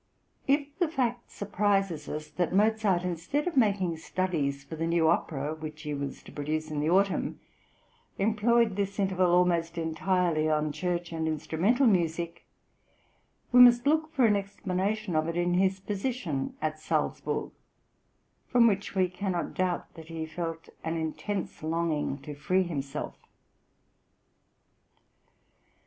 If the fact surprises us that Mozart, instead of {THE ITALIAN TOUR.} (140) making studies for the new opera which he was to produce in the autumn, employed this interval almost entirely on church and instrumental music, we must look for an explanation of it in his position at Salzburg, from which we cannot doubt that he felt an intense longing to free himself.